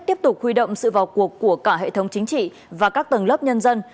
tiếp tục huy động sự vào cuộc của cả hệ thống chính trị và các tầng lớp nhân dân